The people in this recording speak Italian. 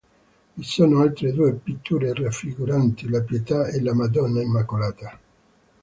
Vi sono altre due pitture raffiguranti la "Pietà" e la "Madonna Immacolata".